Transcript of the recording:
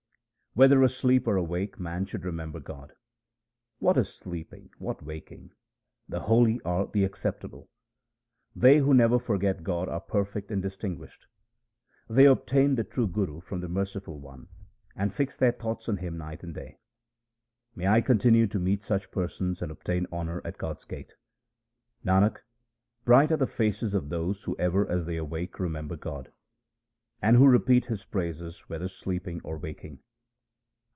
Whether asleep or awake man should remember God :— What is sleeping ? what waking ? the holy are the acceptable. They who never forget God are perfect and distinguished. They obtain the true Guru from the Merciful One, and fix their thoughts on him night and day. May I continue to meet such persons and obtain honour at God's gate ! Nanak, bright are the faces of those who ever as they awake remember God, And who repeat His praises whether sleeping or waking.